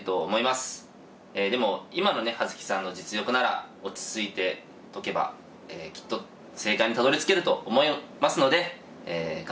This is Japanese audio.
でも今のね葉月さんの実力なら落ち着いて解けばきっと正解にたどりつけると思いますので頑張ってください。